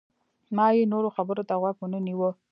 ما یې نورو خبرو ته غوږ ونه نیوه.